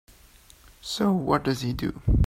So what does he do?